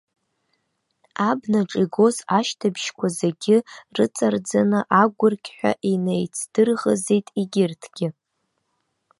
Абнаҿ игоз ашьҭыбжьқәа зегьы рыҵарӡны агәырқьҳәа инеицдырӷызит егьырҭгьы.